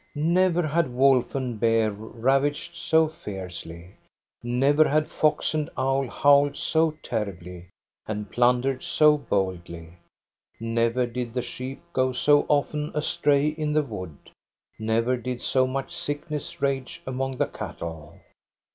Never had wolf and bear ravaged so fiercely; never had fox and owl howled so terribly, and plundered so boldly; never did the sheep go so often astray in the wood ; never did so much sickness rage among the cattle.